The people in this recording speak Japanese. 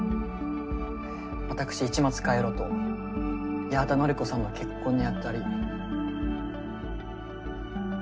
私市松海路と八幡典子さんの結婚にあたり。